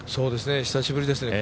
久しぶりですね